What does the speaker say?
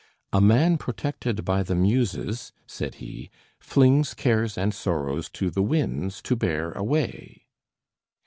"A man protected by the Muses," said he, "flings cares and sorrows to the winds to bear away."